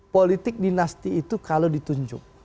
politik dinasti itu kalau ditunjuk